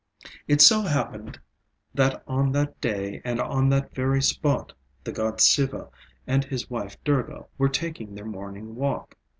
It so happened that on that day and on that very spot the god Siva and his wife Durga were taking their morning walk.